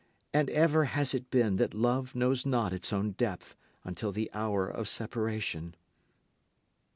And ever has it been that love knows not its own depth until the hour of separation.